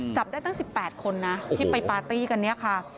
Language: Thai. จับได้ตั้ง๑๘คนนะที่ไปปาร์ตี้กันเนี่ยค่ะ